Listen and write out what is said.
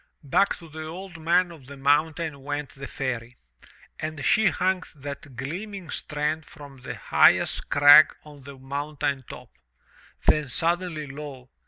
Back to the Old Man of the Mountain went the Fairy. And she hung that gleaming strand from the highest crag on the mountain top. Then suddenly, lo!